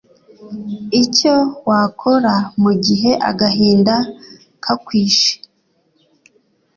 ICYO WAKORA mugihe agahinda ka kwishe: